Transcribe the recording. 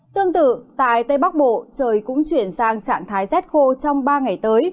tương tự tại tây bắc bộ trời cũng chuyển sang trạng thái rét khô trong ba ngày tới